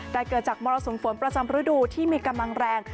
แต่เกิดจากมรสุมฝนประจำฤดูที่มีกำลังแรง